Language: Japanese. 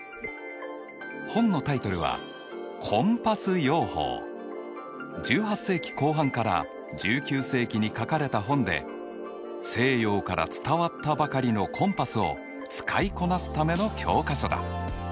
本のタイトルは１８世紀後半から１９世紀に書かれた本で西洋から伝わったばかりのコンパスを使いこなすための教科書だ。